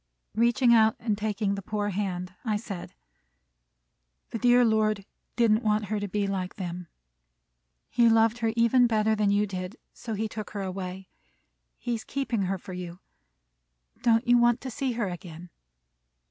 Reaching out and taking the poor hand, I said, "The dear Lord didn't want her to be like them. He loved her even better than you did, so he took her away. He is keeping her for you. Don't you want to see her again?"